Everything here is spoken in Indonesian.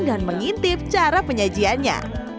dan mengintip cara penyajiannya